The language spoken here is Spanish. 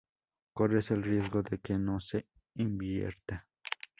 corres el riesgo de que no se invierta